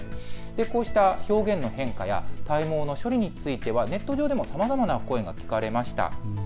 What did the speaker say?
こうした表現の変化や体毛の処理についてはネット上でもさまざまな声が聞かれました。